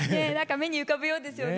目に浮かぶようですよね。